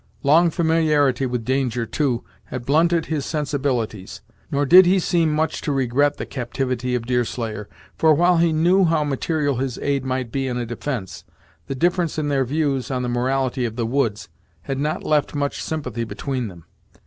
Long familiarity with danger, too, had blunted his sensibilities. Nor did he seem much to regret the captivity of Deerslayer, for, while he knew how material his aid might be in a defence, the difference in their views on the morality of the woods, had not left much sympathy between them.